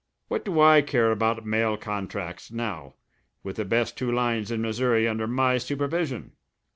What do I care about mail contracts now with the best two lines in Missouri under my supervision?